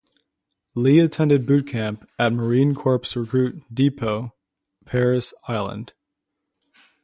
Lee attended boot camp at Marine Corps Recruit Depot Parris Island.